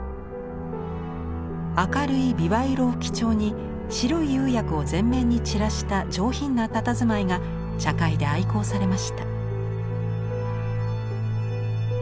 明るい枇杷色を基調に白い釉薬を全面に散らした上品なたたずまいが茶会で愛好されました。